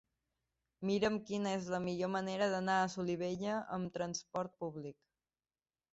Mira'm quina és la millor manera d'anar a Solivella amb trasport públic.